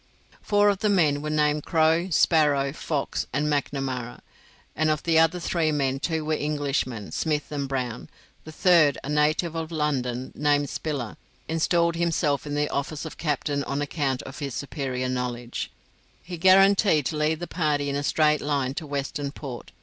Four of the men were named Crow, Sparrow, Fox, and Macnamara; of the other three two were Englishmen, Smith and Brown; the third, a native of London, named Spiller, installed himself in the office of captain on account of his superior knowledge. He guaranteed to lead the party in a straight line to Western Port.